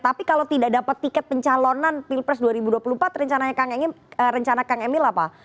tapi kalau tidak dapat tiket pencalonan pilpres dua ribu dua puluh empat rencananya rencana kang emil apa